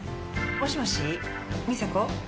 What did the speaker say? もしもし美佐子？